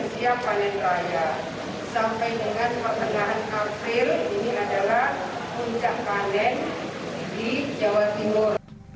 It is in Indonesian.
sampai dengan pertengahan kapil ini adalah puncak panen di jawa timur